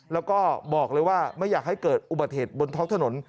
แล้วก็บอกเลยว่าไม่อยากให้เกิดอุบัติเหตุบนท้องถนน